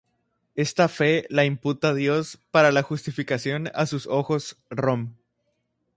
Esta fe la imputa Dios para la justificación a Sus ojos, Rom.